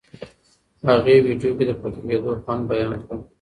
هغې ویډیو کې د پورته کېدو خوند بیان کړ.